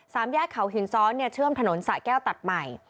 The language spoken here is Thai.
สามแยกเขาหินซ้อนเชื่อมถนนสะแก้วตัดใหม่